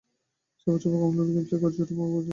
চার বছর পরপর কমনওয়েলথ গেমসে গর্জে ওঠে বাকির রাইফেল।